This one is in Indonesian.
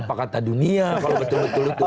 apa kata dunia kalau betul betul itu